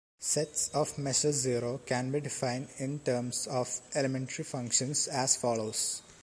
Sets of measure zero can be defined in terms of elementary functions as follows.